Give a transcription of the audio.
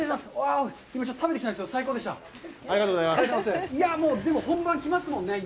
いや、でも、本番が来ますもんね。